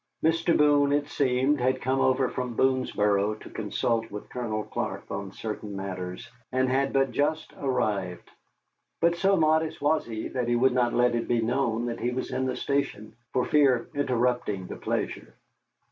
Mr. Boone, it seemed, had come over from Boonesboro to consult with Colonel Clark on certain matters, and had but just arrived. But so modest was he that he would not let it be known that he was in the station, for fear of interrupting the pleasure.